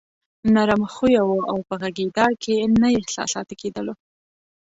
نرم خويه وو او په غږېدا کې نه احساساتي کېدلو.